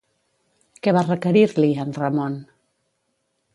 Què va requerir-li, en Ramon?